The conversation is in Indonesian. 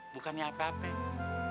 bukannya apa apa ya